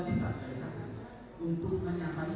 apa saja yang dicatakan